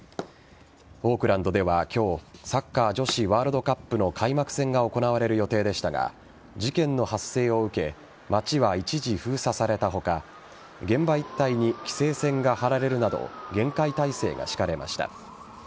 オークランドでは今日サッカー女子ワールドカップの開幕戦が行われる予定でしたが事件の発生を受け街は一時封鎖された他現場一帯に規制線が張られるなど厳戒態勢が敷かれました。